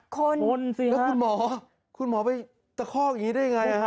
คนสิแล้วคุณหมอคุณหมอไปตะคอกอย่างนี้ได้ยังไง